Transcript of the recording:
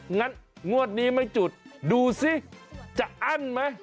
งั้นงวดนี้ไม่จุดดูสิจะอั้นไหม